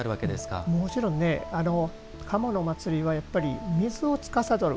もちろんね賀茂のお祭りはやはり水をつかさどる。